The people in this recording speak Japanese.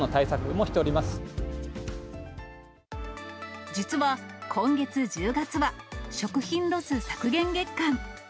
もし実は今月１０月は、食品ロス削減月間。